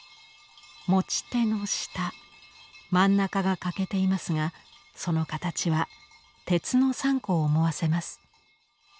持ち手の下真ん中が欠けていますがその形は「鉄三鈷」を思わせます。